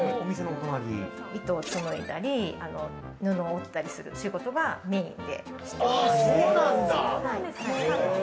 糸をつむいだり布を織ったりする仕事がメインで。